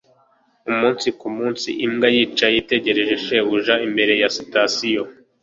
umunsi ku munsi, imbwa yicaye itegereje shebuja imbere ya sitasiyo